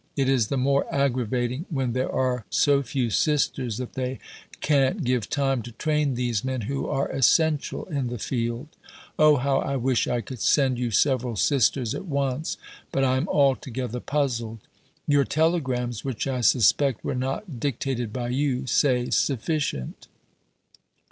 It is the more aggravating when there are so few Sisters that they can't give time to train these men who are essential in the Field. O how I wish I could send you several Sisters at once! But I am altogether puzzled. Your telegrams, which I suspect were not dictated by you, say "Sufficient."